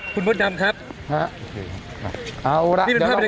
คุณมดดำครับนี่เป็นภาพบริเวณสดสดนะครับ